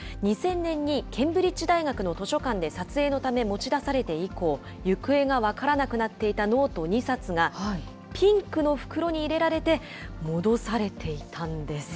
２０００年に、ケンブリッジ大学の図書館で撮影のため持ち出されて以降、行方が分からなくなっていたノート２冊が、ピンクの袋に入れられて、戻されていたんです。